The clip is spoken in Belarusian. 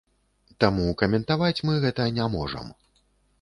Таму каментаваць мы гэта не можам.